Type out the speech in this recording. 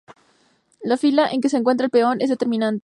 La fila en que se encuentra el peón es determinante.